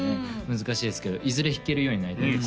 難しいですけどいずれ弾けるようになりたいです